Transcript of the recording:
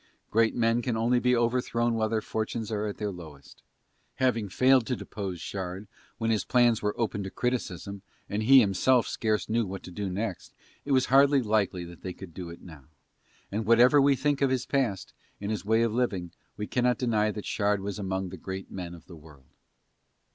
Great men can only be overthrown while their fortunes are at their lowest. Having failed to depose Shard when his plans were open to criticism and he himself scarce knew what to do next it was hardly likely they could do it now; and whatever we think of his past and his way of living we cannot deny that Shard was among the great men of the world.